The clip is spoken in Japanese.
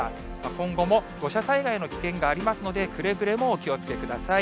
今後も土砂災害の危険がありますので、くれぐれもお気をつけください。